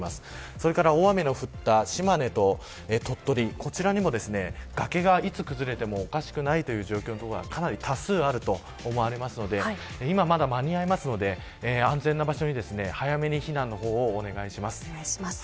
それから大雨の降った島根と鳥取こちらにも崖がいつ崩れてもおかしくないという状況の所がかなり多数あると思われますので今、まだ間に合いますので安全な場所に、早めに避難の方をお願いします。